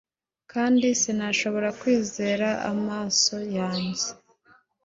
kandi sinashoboraga kwizera amaso yanjye.